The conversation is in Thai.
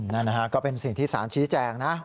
นั่นนะฮะก็เป็นสิ่งที่ศาลชี้แจงนะ